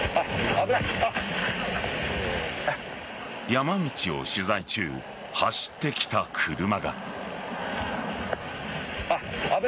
山道を取材中走ってきた車が。